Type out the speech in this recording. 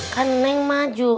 kan neng maju